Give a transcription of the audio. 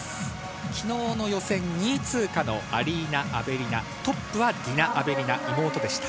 昨日の予選２位通過のアリーナ・アベリナ、トップはディナ・アベリナ、妹でした。